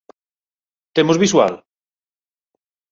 Temos visual?